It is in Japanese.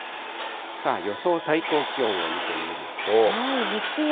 さあ、予想最高気温を見てみると。